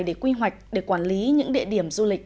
để quy hoạch để quản lý những địa điểm du lịch